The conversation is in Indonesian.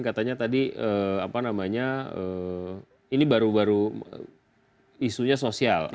katanya tadi apa namanya ini baru baru isunya sosial